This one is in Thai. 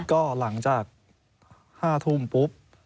ก็หลังจาก๕ทุ่มปุ๊บ